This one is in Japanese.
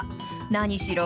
何しろ